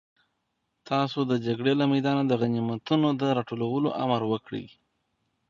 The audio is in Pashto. تاسو د جګړې له میدانه د غنیمتونو د راټولولو امر وکړئ.